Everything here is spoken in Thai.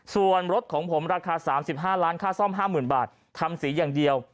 ส่วนรถของผมราคา๓๕ล้านค่าซ่อม๕๐๐๐บาททำสีอย่างเดียว